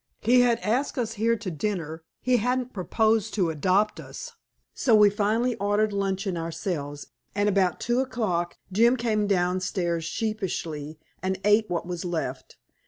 He had asked us here to dinner; he hadn't proposed to adopt us." So we finally ordered luncheon ourselves, and about two o'clock Jim came downstairs sheepishly, and ate what was left.